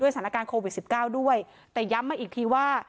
ด้วยสถานการณ์โฟวิธีสิบเก้าด้วยแต่ย้ำมาอีกทีว่า